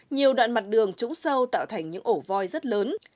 nhiều đoạn mặt đường trũng sâu tạo thành những ổ voi rất lớn